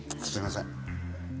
すみません。